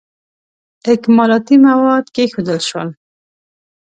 اکمالاتي مواد کښېښودل شول.